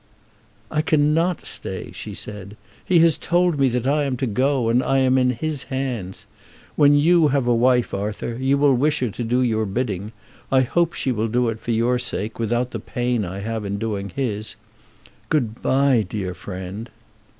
"I cannot stay," she said. "He has told me that I am to go, and I am in his hands. When you have a wife, Arthur, you will wish her to do your bidding. I hope she will do it for your sake, without the pain I have in doing his. Good bye, dear friend."